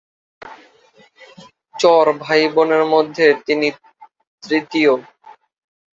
চর ভাই-বোনের মধ্যে তিনি তৃতীয়।